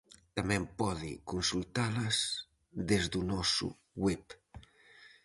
Tamén pode consultalas desde o noso web.